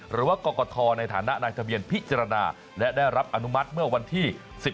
หรือว่ากรกฐในฐานะนายทะเบียนพิจารณาและได้รับอนุมัติเมื่อวันที่๑๑